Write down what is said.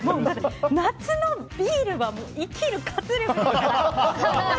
夏のビールは生きる活力ですから！